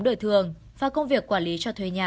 đổi thường và công việc quản lý cho thuê nhà